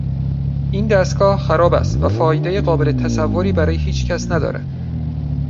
این دستگاه خراب است و فایدهی قابل تصوری برای هیچ کس ندارد.